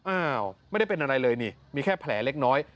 อ้าวไม่ได้เป็นอะไรเลยนี่มีแค่แผลเล็กน้อย